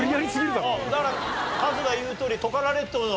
だからカズが言うとおりトカラ列島の。